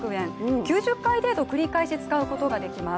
９０回程度、繰り返し使うことができます。